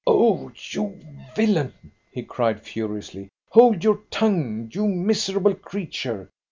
"Oh, you villain!" he cried furiously. "Hold your tongue, you miserable creature!